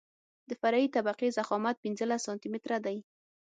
د فرعي طبقې ضخامت پنځلس سانتي متره دی